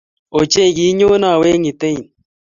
Ochei!kinyone au eng Iten?